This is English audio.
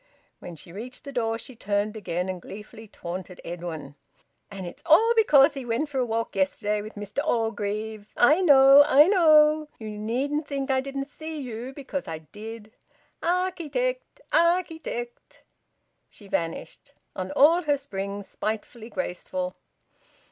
When she reached the door she turned again and gleefully taunted Edwin. "And it's all because he went for a walk yesterday with Mr Orgreave! I know! I know! You needn't think I didn't see you, because I did! Arch i tect! Arch i tect!" She vanished, on all her springs, spitefully graceful.